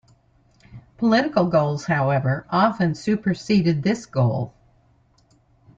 Political goals, however, often superseded this goal.